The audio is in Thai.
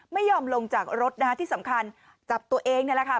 ไม่ยอมลงจากรถนะคะที่สำคัญจับตัวเองนี่แหละค่ะ